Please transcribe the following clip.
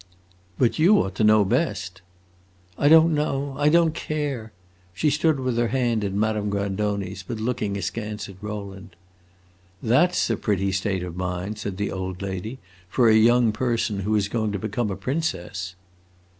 "But you ought to know best." "I don't know I don't care!" She stood with her hand in Madame Grandoni's, but looking askance at Rowland. "That 's a pretty state of mind," said the old lady, "for a young person who is going to become a princess."